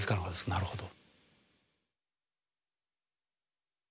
なるほど。